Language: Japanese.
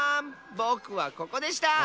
ぼくはここでした！